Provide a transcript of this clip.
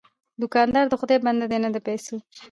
دوکاندار د خدای بنده دی، نه د پیسو.